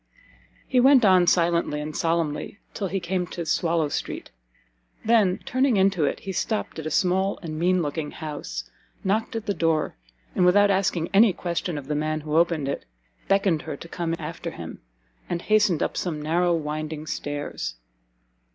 He went on silently and solemnly till he came to Swallow street, then turning into it, he stopt at a small and mean looking house, knocked at the door, and without asking any question of the man who opened it, beckoned her to come after him, and hastened up some narrow winding stairs.